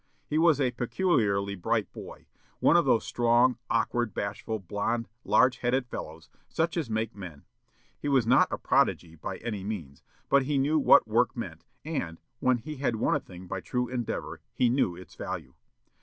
He was a peculiarly bright boy, one of those strong, awkward, bashful, blond, large headed fellows, such as make men. He was not a prodigy by any means; but he knew what work meant, and, when he had won a thing by true endeavor, he knew its value.